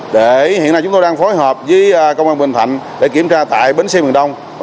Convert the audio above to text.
để hiện nay chúng tôi đang phối hợp với công an bình thạnh để kiểm tra tại bến xe miền đông